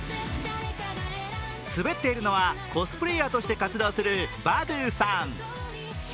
滑っているのはコスプレーヤーとして活動するバァドゥさん。